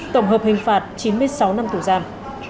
tổng hợp hình phạt chín mươi sáu năm tù giam